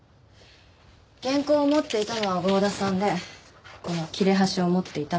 原稿を持っていたのは郷田さんでこの切れ端を持っていたのは私。